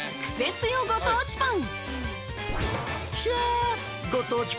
つよご当地パン！